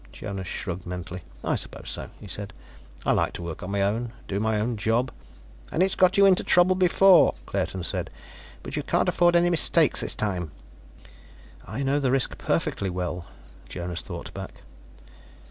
Jonas shrugged mentally. "I suppose so," he said. "I like to work on my own, do my own job " "And it's got you into trouble before," Claerten said. "But you can't afford any mistakes this time." "I know the risk perfectly well," Jonas thought back.